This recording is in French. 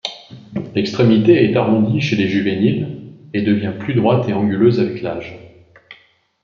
L'extrémité est arrondie chez les juvéniles et devient plus droite et anguleuse avec l'âge.